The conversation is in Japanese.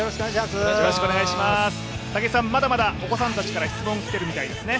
まだまだお子さんたちから質問が来ているようですね。